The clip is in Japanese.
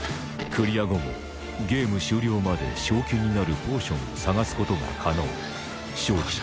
クリア後もゲーム終了まで賞金になるポーションを探すことが可能庄司